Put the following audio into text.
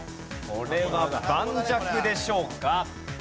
これは盤石でしょうか？